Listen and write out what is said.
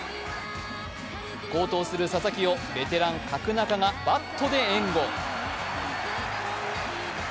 好投する佐々木をベテラン・角中がバットで援護。